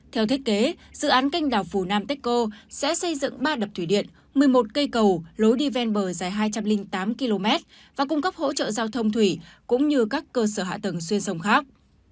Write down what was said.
theo thiết kế dự án canh đảo phù nam techco sẽ xây dựng ba đập thủy điện một mươi một cây cầu lối đi ven bờ dài hai trăm linh tám km và cung cấp hỗ trợ giao thông thủy cũng như các cơ sở hạ tầng xuyên sông khác